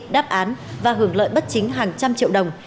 đáp án và hưởng lợi bất chính hàng trăm triệu đồng